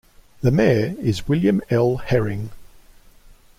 The mayor is William L. Herring.